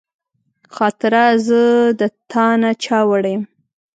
خاطره زه د تا نه چاوړی یم